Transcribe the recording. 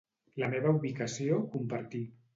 La meva ubicació, compartir.